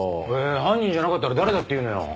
犯人じゃなかったら誰だっていうのよ？